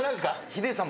ヒデさん